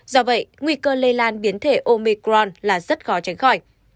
do vậy nguy cơ lây lan biến thể omicron là rất khó tránh khỏi